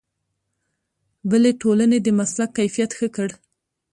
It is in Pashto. بلې ټولنې د مسلک کیفیت ښه کړ.